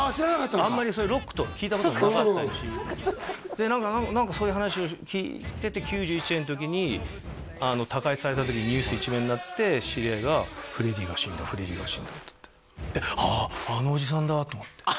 あんまりそういうロックとか聴いたこともなかったしそっかそっかで何かそういう話を聞いてて９１年の時に他界された時にニュース一面になって知り合いが「フレディが死んだフレディが死んだ」っつって「あのおじさん」